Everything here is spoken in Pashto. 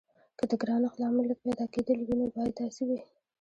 که د ګرانښت لامل لږ پیدا کیدل وي نو باید داسې وي.